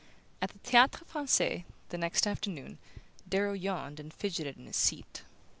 VI At the Theatre Francais, the next afternoon, Darrow yawned and fidgeted in his seat.